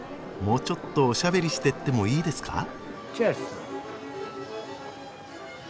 もうちょっとおしゃべりしてってもいいですか？